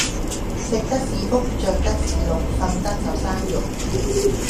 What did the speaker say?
食得是福着得是祿瞓得就生肉